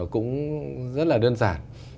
cũng rất là đơn giản